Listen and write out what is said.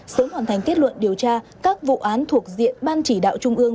sớm hoàn thành kết luận điều tra các vụ án thuộc diện ban chỉ đạo trung ương